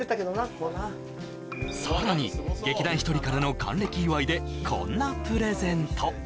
ここなさらに劇団ひとりからの還暦祝いでこんなプレゼント